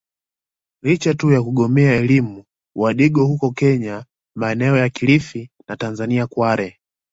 Licha tu ya kugomea elimu wadigo huko kenya maeneo ya kilifi na Tanzania Kwale